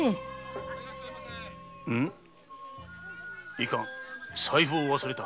いかん財布を忘れた。